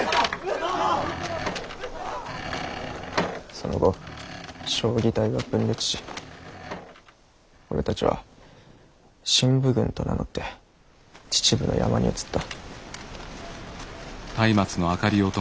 その後彰義隊は分裂し俺たちは振武軍と名乗って秩父の山に移った。